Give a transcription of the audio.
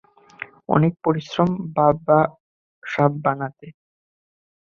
অনেক পরিশ্রম বাবা সাব বানাতে।